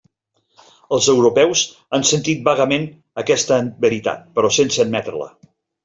Els europeus han sentit vagament aquesta veritat, però sense admetre-la.